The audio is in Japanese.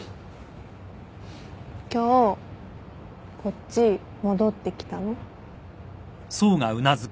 今日こっち戻ってきたの？